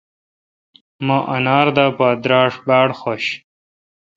مہ انر دا پہ دراݭ باڑ خوش۔